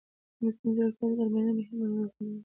مصنوعي ځیرکتیا د درملنې بهیر منظموي.